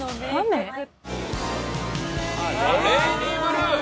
『レイニーブルー』！